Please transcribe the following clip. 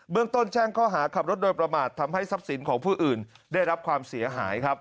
เมืองต้นแจ้งข้อหาขับรถโดยประมาททำให้ทรัพย์สินของผู้อื่นได้รับความเสียหายครับ